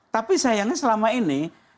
tapi sayangnya selama ini